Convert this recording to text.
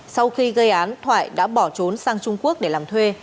sau khi gây án thoại đã bỏ trốn sang trung quốc để làm thuê